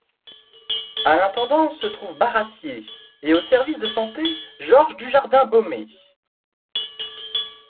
À l'intendance se trouve Baratier et au service de santé, Georges Dujardin-Beaumetz.